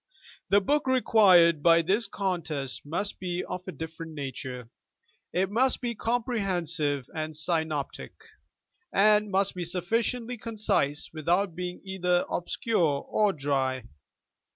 The book required by this contest must be of a different nature : it must be comprehensive and synoptic, and must be sufficiently concise without being either obscure or dry.